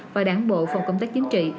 và đảng bộ phòng công tác chính trị